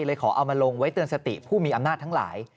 เลยขอเอามาลงไว้เตือนสติผู้มีอำนาจทั้งหลาย